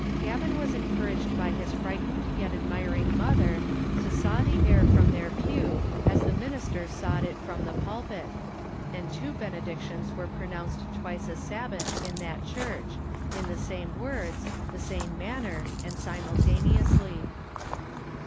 Gavin was encour aged by his frightened yet admiring mother to saw the air from their pew as the minister sawed it in the pulpit, and two benedictions were pronounced twice a Sabbath in that church, in the same words, the same manner, and simultaneously.